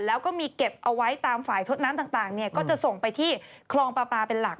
แล้วก็มีเก็บเอาไว้ตามฝ่ายทดน้ำต่างก็จะส่งไปที่คลองปลาปลาเป็นหลัก